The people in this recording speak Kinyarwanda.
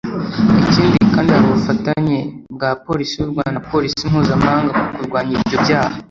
Ikindi kandi hari ubufatanye bwa Polisi y’u Rwanda na Polisi mpuzamahanga mu kurwanya ibyo byaha